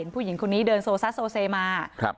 ผู้หญิงคนนี้เดินโซซัสโซเซมา